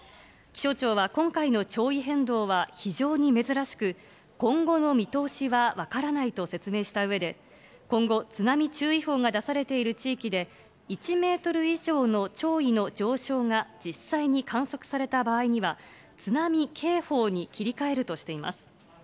気象庁は今回の潮位変動は非常に珍しく、今後の見通しは分からないと説明したうえで、今後、津波注意報が出されている地域で１メートル以上の潮位の上昇が実際に観測された場合には、津波警報に切り替えるとしています。